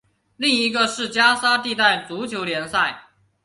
另一个是加沙地带足球联赛。